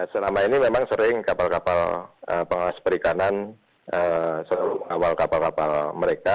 selama ini memang sering kapal kapal pengawas perikanan selalu mengawal kapal kapal mereka